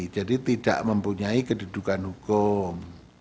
jadi tidak mempunyai kedudukan hukum